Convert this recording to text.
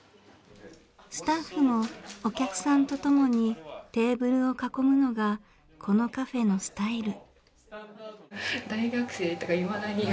スタッフもお客さんとともにテーブルを囲むのがこのカフェのスタイル。